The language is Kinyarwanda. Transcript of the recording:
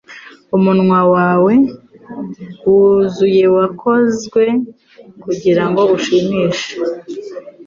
Umunwa wawe wuzuye wakozwe kugirango ushimishe